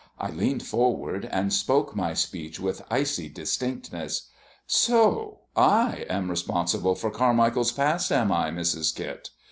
I leaned forward, and spoke my speech with icy distinctness. "So I am responsible for Carmichael's past, am I, Mrs. Kit?